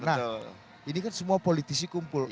nah ini kan semua politisi kumpul